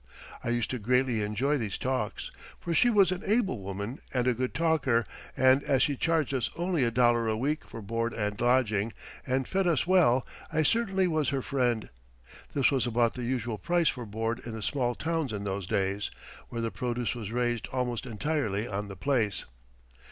I used to greatly enjoy these talks, for she was an able woman and a good talker, and as she charged us only a dollar a week for board and lodging, and fed us well, I certainly was her friend. This was about the usual price for board in the small towns in those days, where the produce was raised almost entirely on the place.